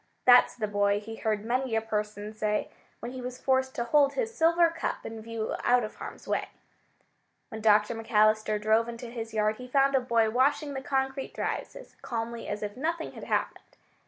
"That's the boy," he heard many a person say when he was forced to hold his silver cup in view out of harm's way. When Dr. McAllister drove into his yard he found a boy washing the concrete drives as calmly as if nothing had happened.